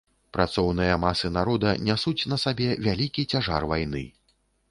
Працоўныя масы народа нясуць на сабе вялікі цяжар вайны.